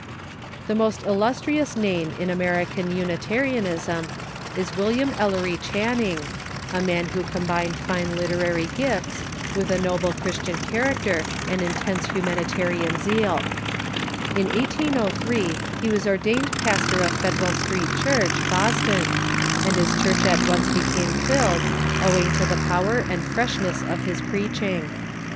The most illustrious name in American Unitarianism is William Ellery Channing, a man who combined fine literary gifts with a noble Christian character and intense hu Channing °.., r „ i i • i c manitarian zeal. In 1803 he was ordained pastor or Federal Street Cliurch, Boston, and his church at once became filled, owing to the power and freshness of his preaching.